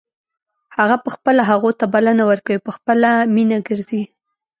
هغه په خپله هغو ته بلنه ورکوي او په خپله مینه ګرځي.